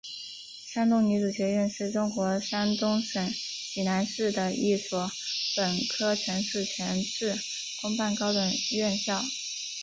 山东女子学院是中国山东省济南市的一所本科层次全日制公办高等院校。